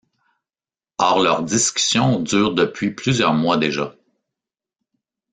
Or leurs discussions durent depuis plusieurs mois déjà.